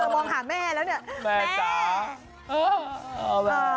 มองหาแม่แล้วเนี่ยแม่จ๋า